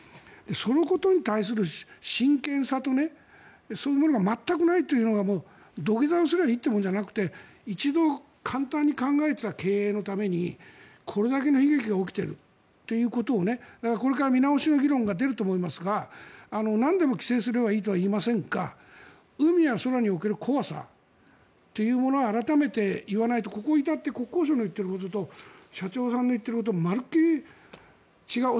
そのことに対する真剣さとそういうのが全くないというのが土下座をすればいいってものじゃなくて一度簡単に考えていた経営のためにこれだけの悲劇が起きているということをこれから見直しの議論が出ると思いますがなんでも規制すればいいとは言いませんが海や空における怖さというのは改めて言わないとここに至って国交省の言っていることと社長さんの言っていることはまるっきり違う。